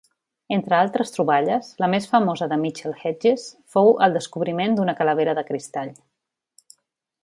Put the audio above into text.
Entre altres troballes, la més famosa de Mitchell-Hedges fou el "descobriment" d'una "calavera de cristall".